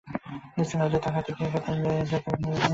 নিসার আলি তাকাতে গিয়ে ব্যথায় নীল হয়ে গেলেন।